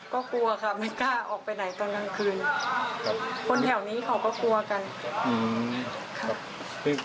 ก็กลัวค่ะไม่กล้าออกไปไหนตอนกลางคืนครับ